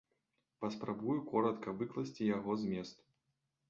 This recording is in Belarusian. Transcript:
Паспрабую коратка выкласці яго змест.